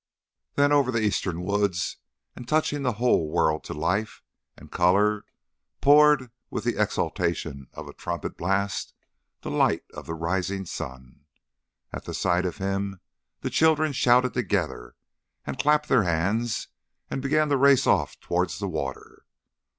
Then over the eastern woods, and touching the whole world to life and colour, poured, with the exaltation of a trumpet blast, the light of the rising sun. At the sight of him the children shouted together, and clapped their hands and began to race off towards the water.